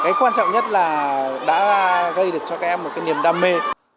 cái quan trọng nhất là đã gây được cho các em một cái niềm đam mê